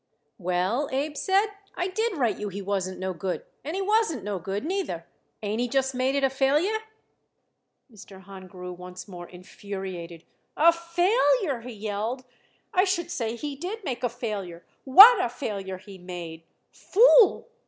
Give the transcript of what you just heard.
"Well," Abe said, "I did write you he wasn't no good, and he wasn't no good, neither. Ain't he just made it a failure?" Mr. Hahn grew once more infuriated. "A failure!" he yelled. "I should say he did make a failure. What a failure he made! Fool!